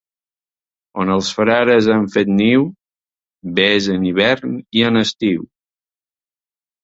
On els frares han fet niu, ves en hivern i en estiu.